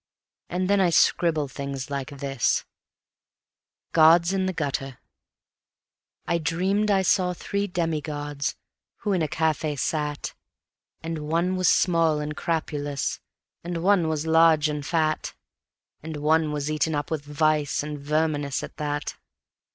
And then I scribble things like this: Gods in the Gutter I dreamed I saw three demi gods who in a cafe sat, And one was small and crapulous, and one was large and fat; And one was eaten up with vice and verminous at that.